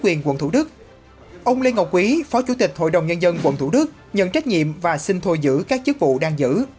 quận thủ đức ông lê ngọc quý phó chủ tịch hội đồng nhân dân quận thủ đức nhận trách nhiệm và xin thôi giữ các chức vụ đang giữ